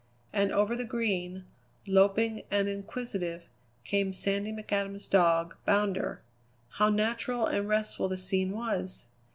And over the Green, loping and inquisitive, came Sandy McAdam's dog, Bounder. How natural and restful the scene was!